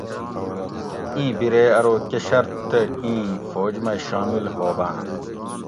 ایں بیرے ارو کہ شرط دہ ایں فوج مئ شامل ہوباۤں